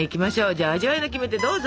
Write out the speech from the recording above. じゃあ味わいのキメテどうぞ！